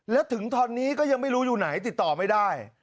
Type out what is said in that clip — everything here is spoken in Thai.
แล้วถึงตอนนี้ก็ยังไม่รู้อยู่ไหนติดต่อไม่ได้